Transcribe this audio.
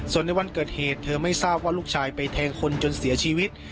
ส่วนในวันเกิดเหตุเธอไม่ทราบว่าลูกชายไปแทงคนจนเสียชีวิต